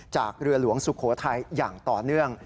จากเรือหลวงสุโขทัยอย่างต่อเนื่อง